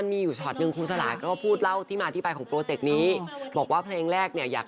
นี่แหละครูสาหาเป็นคนผักดัน